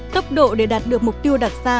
tốc độ để đạt được mục tiêu đặt ra